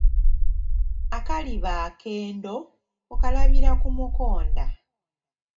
Akaliba akendo, okalabira ku mukonda